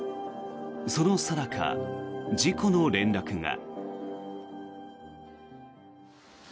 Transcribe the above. そのさなか、事故の連絡が。